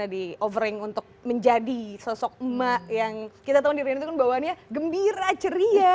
jadi overing untuk menjadi sosok emak yang kita tau di rina itu kan bawaannya gembira ceria